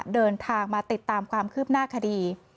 เดินทางมาติดตามความคืบหน้าคดี